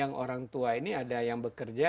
yang orang tua ini ada yang bekerja